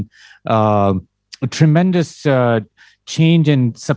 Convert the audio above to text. dan kami melihat perubahan yang sangat besar